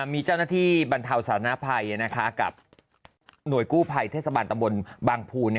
มีเจ้าหน้าที่บรรเทาสารภัยกับหน่วยกู้ภัยเทศบาลตำบลบางภู